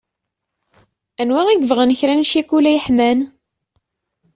Anwa i yebɣan kra n cikula yeḥman.